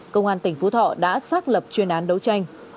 công an tỉnh phú thọ đã xác lập chuyên án đấu tranh